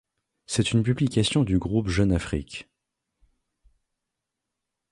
C'est une publication du groupe Jeune Afrique.